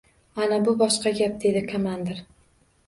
— Ana bu boshqa gap! — dedi komandir.